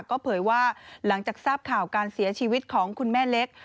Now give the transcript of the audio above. ก็เผยว่าหลังจากทราบข่าวการเสียชีวิตของคุณแม่เล็ก